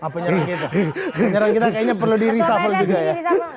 penyerang kita kayaknya perlu di reshuffle juga ya